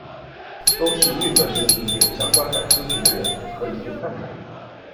都是绿色食品有相关感兴趣的人可以去看看。